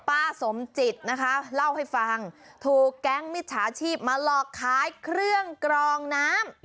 ป้าสมจิตนะคะเล่าให้ฟังถูกแก๊งมิจฉาชีพมาหลอกขายเครื่องกรองน้ำ